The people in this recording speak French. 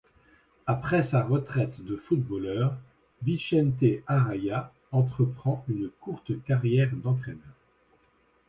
Après sa retraite de footballeur, Vicente Arraya entreprend une courte carrière d'entraîneur.